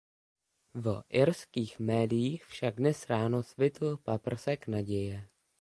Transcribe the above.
V irských médiích však dnes ráno svitl paprsek naděje.